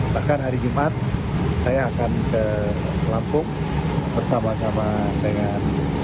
bahkan hari jumat saya akan ke lampung bersama sama dengan